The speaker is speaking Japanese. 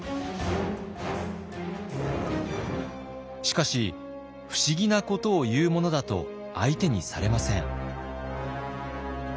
しかし不思議なことを言うものだと相手にされません。